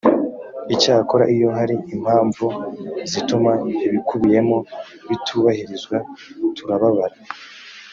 icyakora iyo hari impamvu zituma ibikubiyemo bitubahirizwa turababara